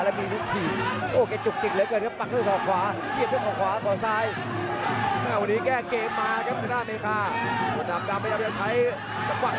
แล้วก็มีลุกสีโอ้เข้าจุกจิง